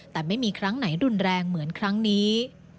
แต่ไม่มีครั้งไหนรุนแรงเหมือนครั้งนี้